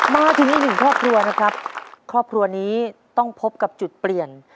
มาถึงอีกหนึ่งครอบครัวนะครับครอบครัวนี้ต้องพบกับจุดเปลี่ยน